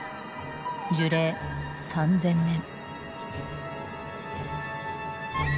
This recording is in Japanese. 樹齢３，０００年。